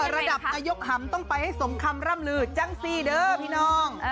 ระดับนายกหำต้องไปให้สมคำร่ำลือจังซีเด้อพี่น้อง